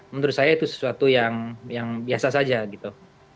menurut saya itu sesuatu yang biasa saja gitu